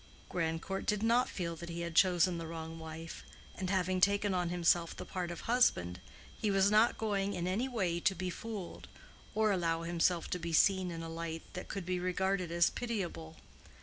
Grandcourt did not feel that he had chosen the wrong wife; and having taken on himself the part of husband, he was not going in any way to be fooled, or allow himself to be seen in a light that could be regarded as pitiable.